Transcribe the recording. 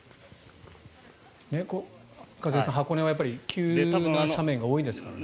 一茂さん、箱根は急な斜面が多いですからね。